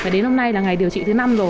đến hôm nay là ngày điều trị thứ năm rồi